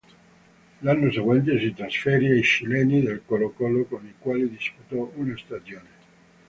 L'anno seguente si trasferì ai cileni del Colo-Colo, con i quali disputò una stagione.